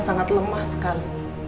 sangat lemah sekali